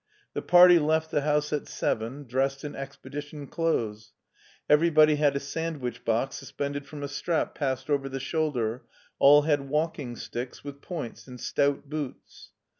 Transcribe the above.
The party left the house at seven, dressed in expedition clothes. Everybody had a sandwich box suspended from a strap passed over the shoulder, all had walking sticks with points, and stout boots.